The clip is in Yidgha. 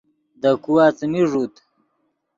دے کھوا څیمی ݱوت